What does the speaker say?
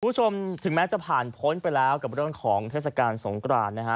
ถึงแม้จะผ่านพ้นไปแล้วกับเรื่องของเทศกาลสงกรานนะฮะ